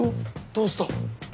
どうした？